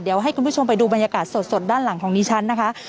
เดี๋ยวให้คุณผู้ชมไปดูบรรยากาศสดด้านหลังของดิฉันนะคะ